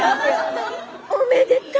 おめでとう。